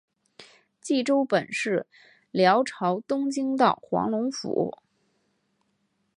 济州本是辽朝东京道黄龙府。